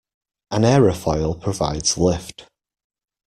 An aerofoil provides lift